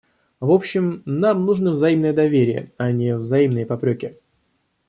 В общем, нам нужно взаимное доверие, а не взаимные попреки.